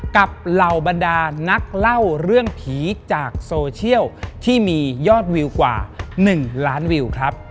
เหล่าบรรดานักเล่าเรื่องผีจากโซเชียลที่มียอดวิวกว่า๑ล้านวิวครับ